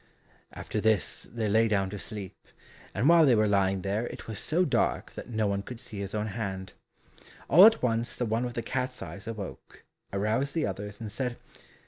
After this, they lay down to sleep, and while they were lying there it was so dark that no one could see his own hand. All at once the one with the cat's eyes awoke, aroused the others, and said.